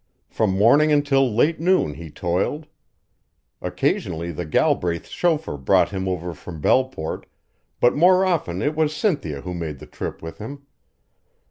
From morning until late noon he toiled. Occasionally the Galbraiths' chauffeur brought him over from Belleport, but more often it was Cynthia who made the trip with him.